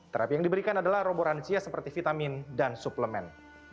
terapi yang diberikan adalah roboransia seperti vitamin dan suplemen